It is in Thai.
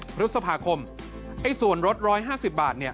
พฤษภาคมซวนลด๑๕๐บาท